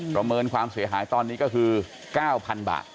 ประเมินความเสียหายตอนนี้ก็คือ๙๐๐บาท